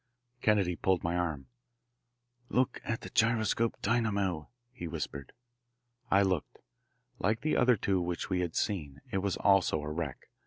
Kennedy pulled my arm. "Look at the gyroscope dynamo," he whispered. I looked. Like the other two which we had seen, it also was a wreck.